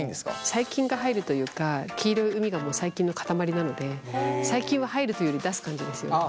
細菌が入るというか黄色い膿が細菌の塊なので細菌は入るというより出す感じですよね。